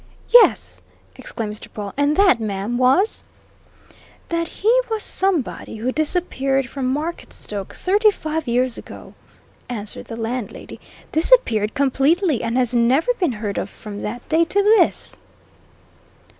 "Yes!" exclaimed Mr. Pawle. "And that, ma'am, was " "That he was somebody who disappeared from Marketstoke thirty five years ago," answered the landlady, "disappeared completely, and has never been heard of from that day to this!"